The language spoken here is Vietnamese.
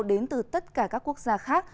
đến từ tất cả các quốc gia khác